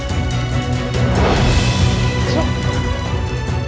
buat karan buat karan